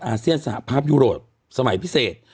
อาเซียนสหภาพยุโรปสมัยพิเศษ